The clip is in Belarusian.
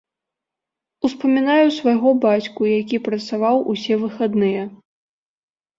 Успамінаю свайго бацьку, які працаваў усе выхадныя.